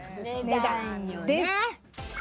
値段です